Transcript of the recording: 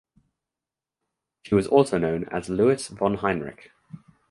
She was also known as Louis von Heinrich.